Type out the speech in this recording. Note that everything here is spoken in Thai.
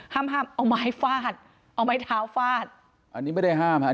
ห้ามเอาไม้ฟาดเอาไม้เท้าฝาด